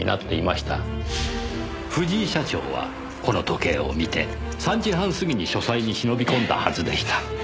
藤井社長はこの時計を見て３時半すぎに書斎に忍び込んだはずでした。